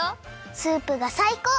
スープがさいこう！